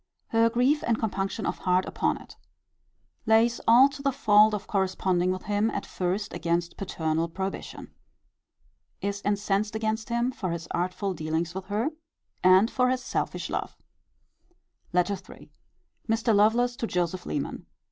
Her grief and compunction of heart upon it. Lays all to the fault of corresponding with him at first against paternal prohibition. Is incensed against him for his artful dealings with her, and for his selfish love. LETTER III. Mr. Lovelace to Joseph Leman.